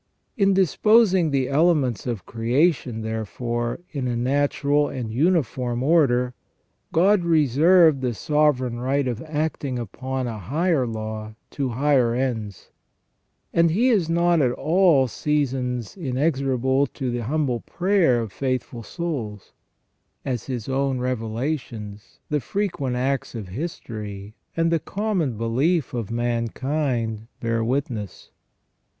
''* In disposing the elements of creation, therefore, in a natural and uniform order, God reserved the sovereign right of acting upon a higher law to higher ends ; and He is not at all seasons inexorable to the humble prayer of faithful souls, as His own revelations, the frequent acts of history, and the common belief of mankind bear witness.